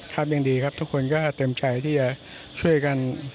ครับยังดีครับทุกคนก็เต็มใจที่จะช่วยกัน